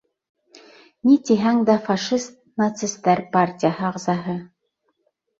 Ни тиһәң дә, фашист, нацистәр партияһы ағзаһы.